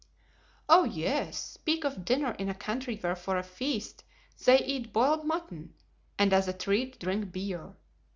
"Oh! yes, speak of dinner in a country where for a feast they eat boiled mutton, and as a treat drink beer.